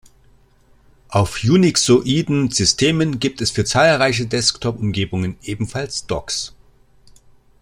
Auf unixoiden Systemen gibt es für zahlreiche Desktop-Umgebungen ebenfalls Docks.